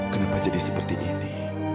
kenapa jadi seperti ini